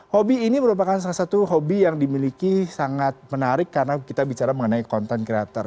hobi ini merupakan salah satu hobi yang dimiliki sangat menarik karena kita bicara mengenai content creator